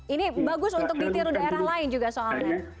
ini bagus untuk ditiru daerah lain juga soalnya